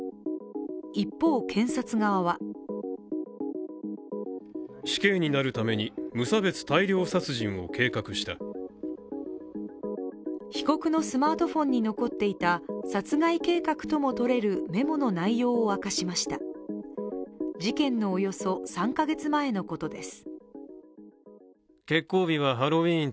一方、検察側は被告のスマートフォンに残っていた殺害計画ともとれるメモの内容を明かしました事件のおよそ３か月前のことです。